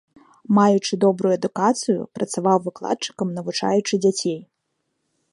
Маючы добрую адукацыю, працаваў выкладчыкам, навучаючы дзяцей.